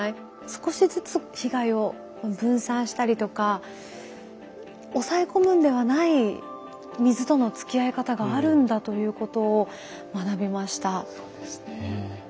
少しずつ被害を分散したりとか抑え込むんではない水とのつきあい方があるんだということを学びました。